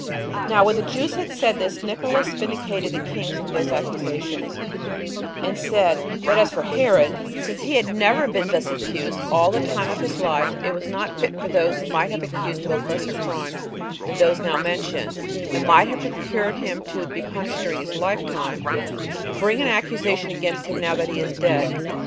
3. Now when the Jews had said this, Nicolaus vindicated the kings from those accusations, and said, that as for Herod, since he had never been thus accused all the time of his life, it was not fit for those that might have accused him of lesser crimes than those now mentioned, and might have procured him to be punished during his lifetime, to bring an accusation against him now he is dead.